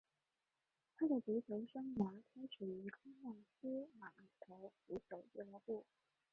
他的足球生涯开始于康纳斯码头足球俱乐部。